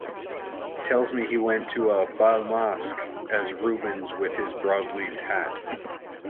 Tells me he went to a "bal masque" as Rubens with his broad-leafed hat".